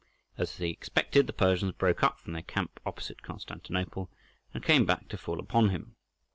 As he expected, the Persians broke up from their camp opposite Constantinople, and came back to fall upon him.